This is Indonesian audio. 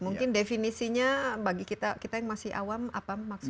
mungkin definisinya bagi kita yang masih awam apa maksudnya